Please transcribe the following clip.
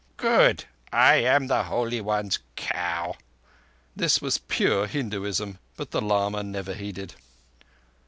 "Good! I am the Holy One's cow." This was pure Hinduism, but the lama never heeded.